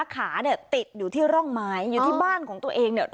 ขาเนี่ยติดอยู่ที่ร่องไม้อยู่ที่บ้านของตัวเองเนี่ย